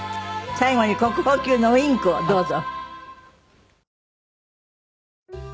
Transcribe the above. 最後に国宝級のウィンクをどうぞ。